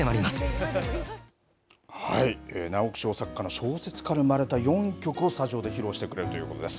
知られざるはい、直木賞作家の小説から生まれた４曲を披露してくれるということです。